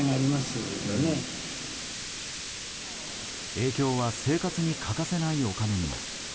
影響は生活に欠かせないお金にも。